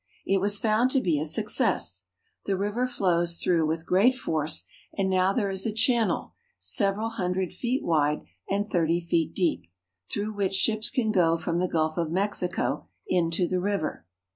It was found to be a success. The river flows through with great force, and now there is a channel, several hundred feet wide and thirty feet deep, through which ships can go from the Gulf of Mexico into the river.